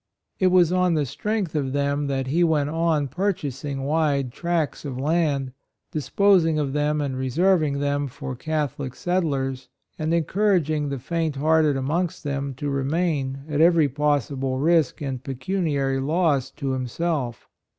It was on the strength of them that he went on purchasing wide tracts of land ; disposing of them and reserving them for Cath olic settlers, and encouraging the faint hearted amongst them to re main, at every possible risk and pecuniary loss to himself.